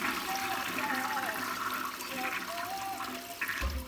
Kusanyiko hilo liliweka kanuni za ujumla za ushirikiano wa kimataifa